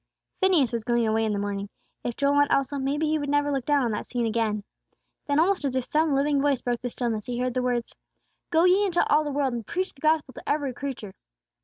Phineas was going away in the morning. If Joel went also, maybe he would never look down on that scene again. Then almost as if some living voice broke the stillness, he heard the words: "Go ye into all the world, and preach the gospel to every creature!"